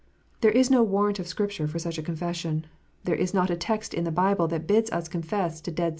There is no warrant of Scripture for such a confession. There is not a text in the Bible that bids us confess to dead saints and angels.